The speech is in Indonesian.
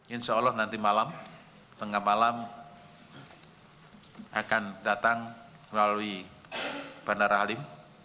insya allah nanti malam tengah malam akan datang melalui bandara halim